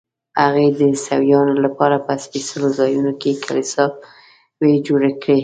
هغې د عیسویانو لپاره په سپېڅلو ځایونو کې کلیساوې جوړې کړې.